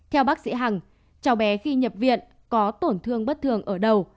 theo bác sĩ hằng cháu bé khi nhập viện có tổn thương bất thường ở đầu